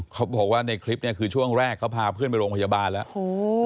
เขาบอกว่าในคลิปเนี่ยคือช่วงแรกเขาพาเพื่อนไปโรงพยาบาลแล้ว